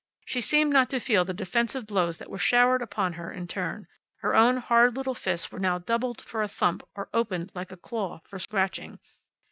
She seemed not to feel the defensive blows that were showered upon her in turn. Her own hard little fists were now doubled for a thump or opened, like a claw, for scratching.